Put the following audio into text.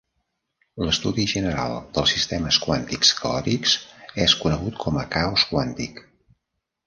L'estudi general dels sistemes quàntics caòtics és conegut com a caos quàntic.